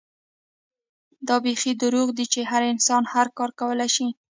دا بيخي دروغ دي چې هر انسان هر کار کولے شي